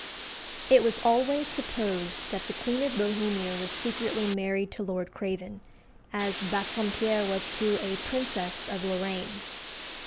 It was always supposed that the Queen of Bohemia was secretly married to Lord Craven, as Bassompierre was to a princess of Lorraine.